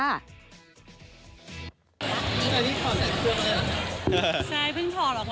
นี่ค่ะพี่ถอดแผ่นทอดเลยเหรอ